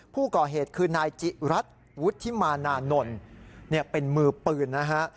ผู้ก่อเหตุคือนายจิรัตน์วุฒิมานานนท์เป็นมือปืนนะฮะ